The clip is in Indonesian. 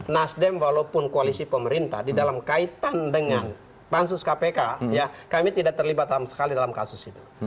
nasdem walaupun koalisi pemerintah di dalam kaitan dengan pansus kpk ya kami tidak terlibat sama sekali dalam kasus itu